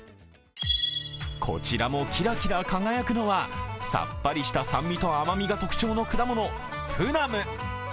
こちらもキラキラ輝くのはさっぱりとした酸味と甘みが特徴の果物、プラム。